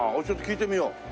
ちょっと聞いてみよう。